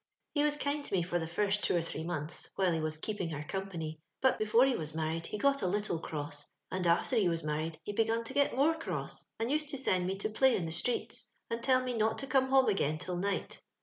'* He was kind to mo for the first two or three months, while he was keeping her com pany; but before he was married he got a little cross, and after he was married ho begun to get more cross, and used to send me to play in the streete, and tell me not to come home again till night.